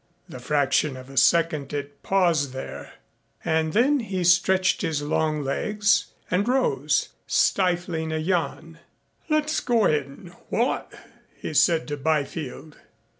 The fraction of a second it paused there and then he stretched his long legs and rose, stifling a yawn. "Let's go in what?" he said to Byfield.